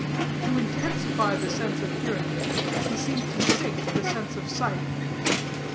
To intensify the sense of hearing, he seemed to sink the sense of sight.